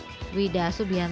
jadi kita harus menjadi kupas